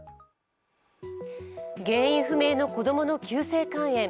原因不明の子供の急性肝炎。